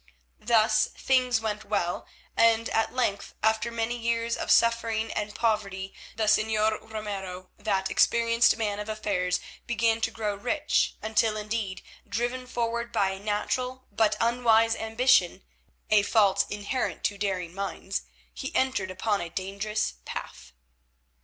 Thus things went well, and, at length, after many years of suffering and poverty, the Señor Ramiro, that experienced man of affairs, began to grow rich, until, indeed, driven forward by a natural but unwise ambition, a fault inherent to daring minds, he entered upon a dangerous path.